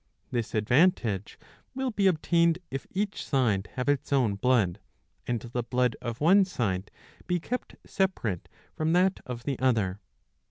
This advantage will be obtained if each side have its own blood, and the blood of one side be kept separate from that of the other.